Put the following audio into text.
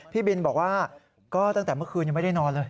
พี่บินบอกว่าก็ตั้งแต่เมื่อคืนยังไม่ได้นอนเลย